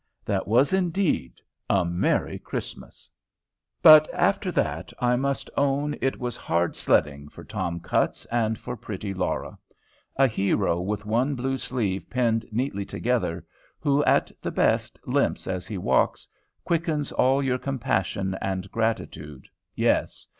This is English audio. That was indeed a merry Christmas! But after that I must own it was hard sledding for Tom Cutts and for pretty Laura. A hero with one blue sleeve pinned neatly together, who, at the best, limps as he walks, quickens all your compassion and gratitude; yes!